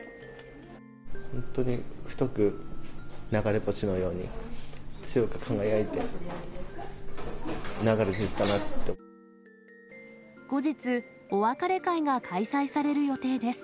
本当に太く流れ星のように、後日、お別れ会が開催される予定です。